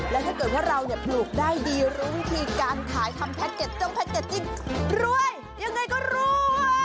และถ้าเกิดว่าเราผลูกได้ดีร่วมทีการขายทำแพ็ทเจ็ดเจ้องแพ็ทเจ็ดจริงรวยยังไงก็รวย